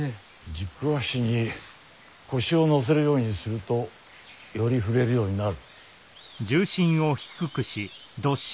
軸足に腰をのせるようにするとより振れるようになる。